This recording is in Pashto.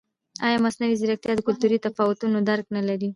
ایا مصنوعي ځیرکتیا د کلتوري تفاوتونو درک نه لري؟